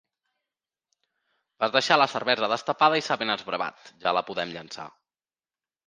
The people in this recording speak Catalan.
Vas deixar la cervesa destapada i s'ha ben esbravat; ja la podem llençar.